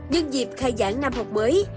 nhân dịp khai giảng năm học mới